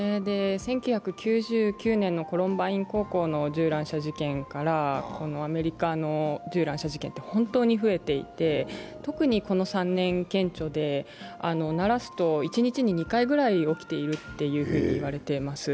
１９９９年のコロンバイン高校の銃乱射事件からアメリカの銃乱射事件って本当に増えていて特にこの３年、顕著でならすと一日に２回ぐらいは起きているっていわれています。